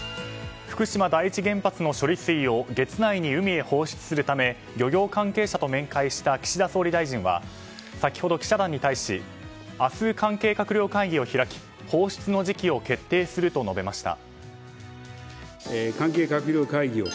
福島第一原発の処理水を月内に海に放出するため漁業関係者と面会した岸田総理大臣は先ほど記者団に対し明日、関係閣僚会議を開き放出の時期を決定すると述べました。